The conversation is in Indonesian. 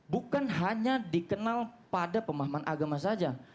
bukan hanya dikenal pada pemahaman agama saja